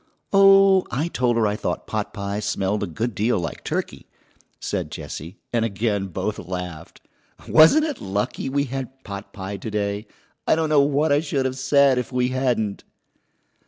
"Oh, I told her I thought potpie smelled a good deal like turkey," said Jessie, and again both laughed. "Wasn't it lucky we had potpie to day? I don't know what I should have said if we hadn't."